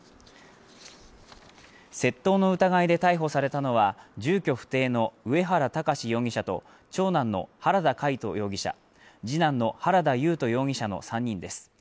窃盗の疑いで逮捕されたのは住居不定の上原厳容疑者と長男の原田魁斗容疑者次男の原田優斗容疑者の３人です。